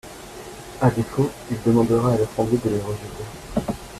À défaut, il demandera à l’Assemblée de les rejeter.